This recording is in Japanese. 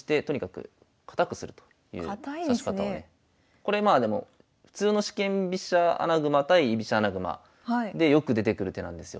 これまあでも普通の四間飛車穴熊対居飛車穴熊でよく出てくる手なんですよ。